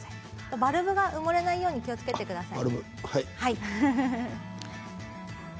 バルブが埋もれないように気をつけてください。